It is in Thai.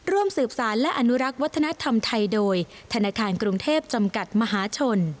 ร่วมสืบสารและอนุรักษ์วัฒนธรรมไทยโดยธนาคารกรุงเทพจำกัดมหาชน